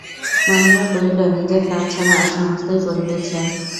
মহেন্দ্র কহিল, নিজের কাজ ছাড়া আর-সমস্তই করিতেছে।